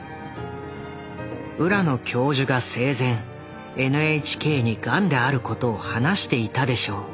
「浦野教授が生前ＮＨＫにがんであることを話していたでしょう。